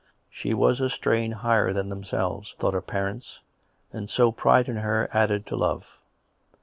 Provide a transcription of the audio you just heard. She was a strain higher than themselves, thought her parents, and so pride in her was added to love.